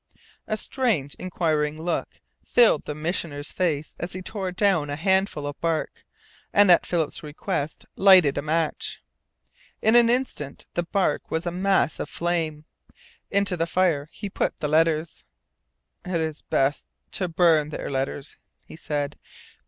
A strange, inquiring look filled the Missioner's face as he tore down a handful of bark, and at Philip's request lighted a match. In an instant the bark was a mass of flame. Into the fire he put the letters. "It is best to burn their letters," he said.